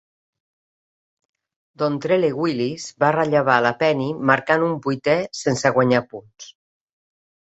Dontrelle Willis va rellevar la Penny marcant un vuitè sense guanyar punts.